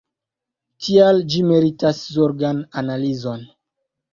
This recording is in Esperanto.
Tial ĝi meritas zorgan analizon.